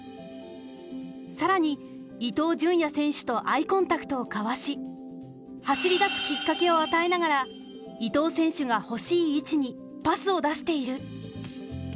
更に伊東純也選手とアイコンタクトを交わし走り出すきっかけを与えながら伊東選手が欲しい位置にパスを出している。